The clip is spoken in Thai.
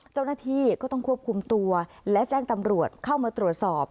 เจ้าหน้าที่ก็ต้องควบคุมตัวและแจ้งตำรวจเข้ามาตรวจสอบ